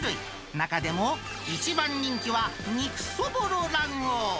中でも一番人気は肉そぼろ卵黄。